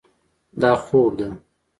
دا خوب ده.